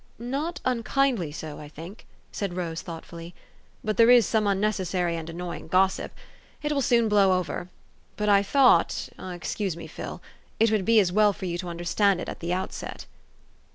" Not unkindly so, I think," said Rose thought fully ;'' but there is some unnecessary and annoying gossip. It will soon blow over ; but I thought excuse me, Phil it would be as well for you to un derstand it at the outset."